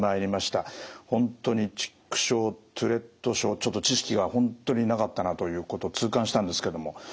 本当にチック症トゥレット症ちょっと知識が本当になかったなということを痛感したんですけども。